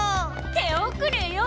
手遅れよ